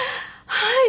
はい。